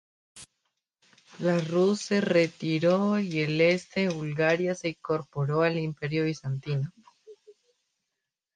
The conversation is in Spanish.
La Rus se retiró y el este de Bulgaria se incorporó al Imperio bizantino.